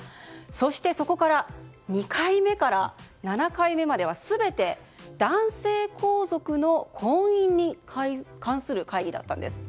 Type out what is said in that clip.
そして、そこから２回目から７回目まで全て男性皇族の婚姻に関する会議だったんです。